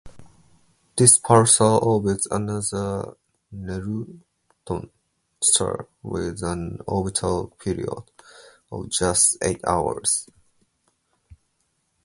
This pulsar orbits another neutron star with an orbital period of just eight hours.